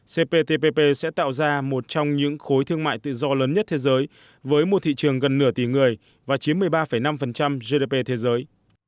cptpp sẽ tạo ra một trong những khối thương mại tự do lớn nhất thế giới với một thị trường gần nửa tỷ người và chiếm một mươi ba năm gdp thế giới